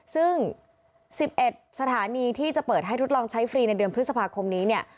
ซึ่ง๑๑สถานีที่จะเปิดให้ทดลองใช้ฟรีในเดือนพฤษภาคมนี้เนี่ย